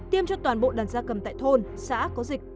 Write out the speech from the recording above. tiêm cho toàn bộ đàn gia cầm tại thôn xã có dịch